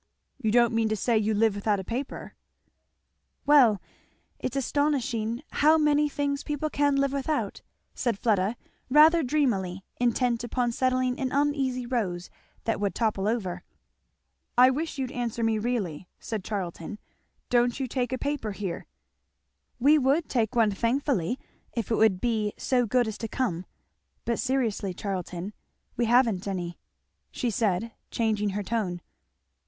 "You don't mean to say you live without a paper?" [Illustration: "Look at these roses, and don't ask me for papers!"] "Well, it's astonishing how many things people can live without," said Fleda rather dreamily, intent upon settling an uneasy rose that would topple over. "I wish you'd answer me really," said Charlton. "Don't you take a paper here?" "We would take one thankfully if it would be so good as to come; but seriously, Charlton, we haven't any," she said changing her tone.